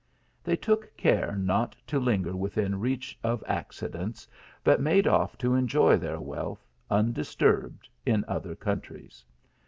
They took care not to linger within reach of accidents, but made off to enjoy their wealth undisturbed in other countries.